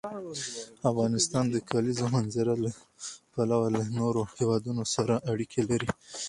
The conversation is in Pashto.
افغانستان د د کلیزو منظره له پلوه له نورو هېوادونو سره اړیکې لري.